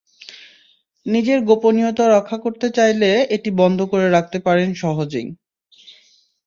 নিজের গোপনীয়তা রক্ষা করতে চাইলে এটি বন্ধ করে রাখতে পারেন সহজেই।